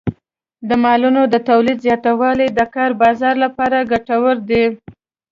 د مالونو د تولید زیاتوالی د کار بازار لپاره ګټور دی.